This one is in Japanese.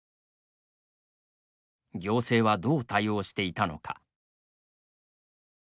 行政は、どう対応していたのか。